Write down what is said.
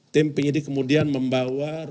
tim penyidik kemudian membawa